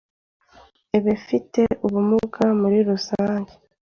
Ebefite ubumuge muri rusenge,